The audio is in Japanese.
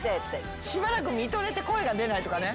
しばらく見とれて声が出ないとかね。